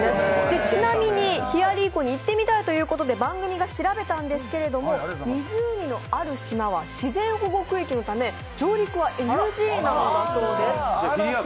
ちなみにヒリアー湖に行ってみたいということで調べたんですが、湖のある島は自然保護区域のため上陸はＮＧなんだそうです。